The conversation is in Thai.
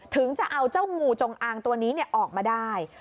ถึงจะเอาเจ้างูจงอางตัวนี้ออกมาได้